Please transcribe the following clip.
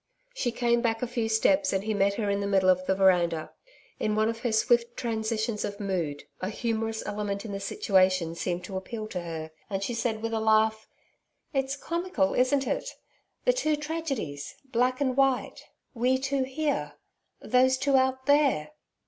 She came back a few steps, and he met her in the middle of the veranda. In one of her swift transitions of mood a humorous element in the situation seemed to appeal to her, and she said with a laugh: 'It's comical, isn't it? The two tragedies, black and white we two here those two out there!'